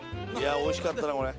おいしかったなぁこれ。